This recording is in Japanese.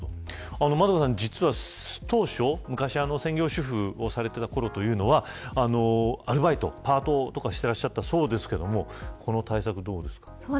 円香さん、実は当初昔、専業主婦をされていたころというのはパートとかしていらっしゃったそうですがこの対策、どうですか。